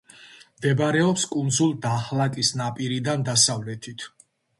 მდებარეობს კუნძულ დაჰლაკის ნაპირიდან დასავლეთით.